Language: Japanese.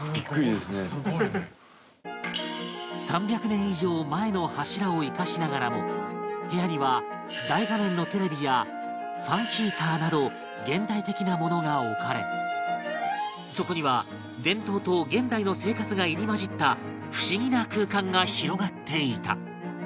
３００年以上前の柱を生かしながらも部屋には大画面のテレビやファンヒーターなど現代的なものが置かれそこには伝統と現代の生活が入り交じった不思議な空間が広がっていた